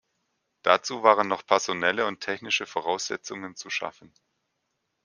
Dazu waren noch personelle und technische Voraussetzungen zu schaffen.